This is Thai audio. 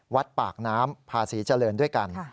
วัดปากน้ำพาศรีเจริญด้วยกัน